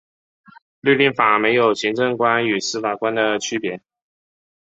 律令法没有行政官和司法官的区别。